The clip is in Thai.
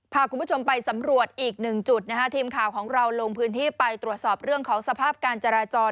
พาคุณผู้ชมไปสำรวจอีกหนึ่งจุดนะฮะทีมข่าวของเราลงพื้นที่ไปตรวจสอบเรื่องของสภาพการจราจร